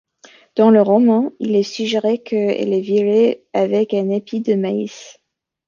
Dans le roman, il est suggéré qu'elle est violée avec un épi de maïs.